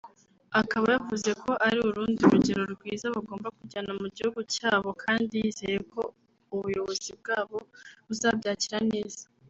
akaba yavuze ko ari urundi rugero rwiza bagomba kujyana mu gihugu cyabo kandi yizeyeko ubuyobozi bwabo buzabyakira neza